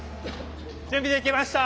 準備できました。